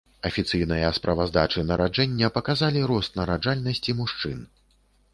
Афіцыйныя справаздачы нараджэння паказалі рост нараджальнасці мужчын.